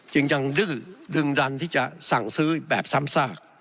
ยังดื้อดึงดันที่จะสั่งซื้อแบบซ้ำซาก